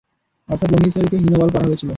অর্থাৎ বনী ইসরাঈলকে হীনবল করা হয়েছিল।